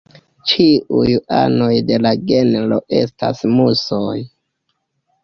Ĉiuj anoj de la genro estas musoj.